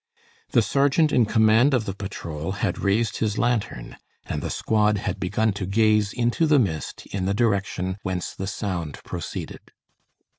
The sergeant in command of the patrol had raised his lantern, and the squad had begun to gaze into the mist in the direction whence the sound proceeded.